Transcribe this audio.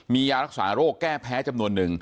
มียารักษาโรคแก้แพ้จำนวนนึง